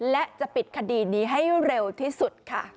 และจะปิดคดีนี้ให้เร็วที่สุดค่ะ